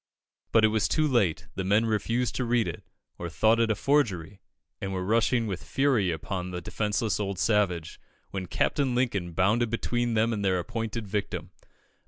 But it was too late; the men refused to read it, or thought it a forgery, and were rushing with fury upon the defenceless old savage, when Captain Lincoln bounded between them and their appointed victim.